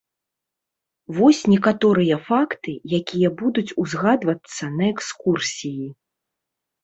Вось некаторыя факты, якія будуць узгадвацца на экскурсіі.